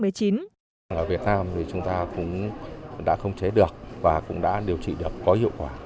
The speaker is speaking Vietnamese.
ở việt nam thì chúng ta cũng đã không chế được và cũng đã điều trị được có hiệu quả